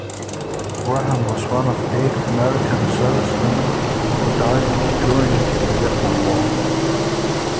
Graham was one of eight American servicewomen who died during the Vietnam War.